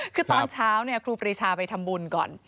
คือตอนเช้าครูปรีชาไปทำบุญก่อน